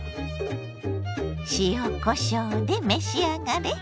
塩こしょうで召し上がれ。